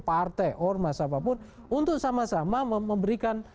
partai atau mas apapun untuk sama sama memberikan